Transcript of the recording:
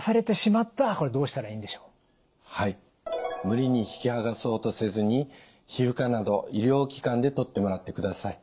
無理に引きはがそうとせずに皮膚科など医療機関で取ってもらってください。